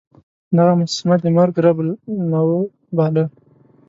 دغه مجسمه د مرګ رب النوع باله.